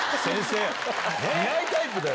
しないタイプだよ！